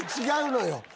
違うのよ。